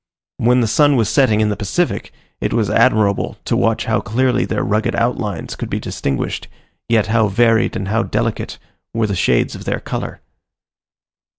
When the sun was setting in the Pacific, it was admirable to watch how clearly their rugged outlines could be distinguished, yet how varied and how delicate were the shades of their colour.